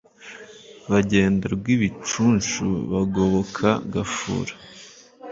Bagenda Rwiibicunshu bagoboka Gafura